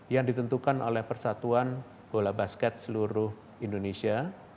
yang ditentukan oleh persatuan bola basket seluruh indonesia